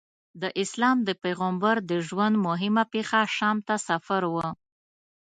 د اسلام د پیغمبر د ژوند موهمه پېښه شام ته سفر و.